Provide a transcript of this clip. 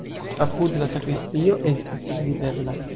Apude la sakristio estas videbla.